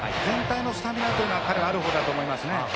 全体のスタミナというのは彼はあるほうだと思いますね。